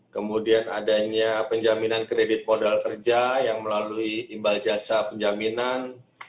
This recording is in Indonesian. kemudian adanya penjaminan kredit modal kerja yang melalui imbal jasa penjaminan